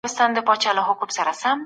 رئیس له ولسمشر سره څنګه ګوري؟